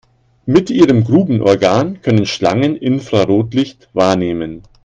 Mit ihrem Grubenorgan können Schlangen Infrarotlicht wahrnehmen.